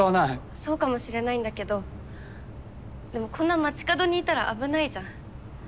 そうかもしれないんだけどでもこんな街角にいたら危ないじゃん。